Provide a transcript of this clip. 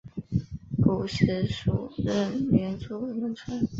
古时属荏原郡衾村。